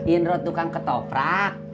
indro tukang ketoprak